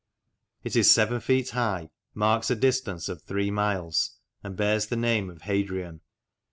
It is seven feet high, marks a distance of three miles, and bears the name of Hadrian.